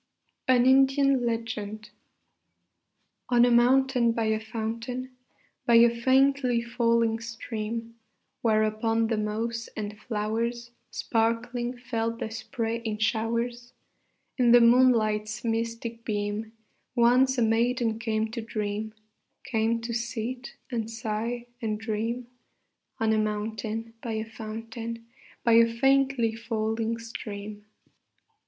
AN INDIAN LEGEND On a mountain by a fountain, By a faintly falling stream, Where upon the moss and flowers, Sparkling, fell the spray in showers, In the moonlight's mystic beam, Once a maiden came to dream, Came to sit and sigh and dream: On a mountain by a fountain, By a faintly falling stream.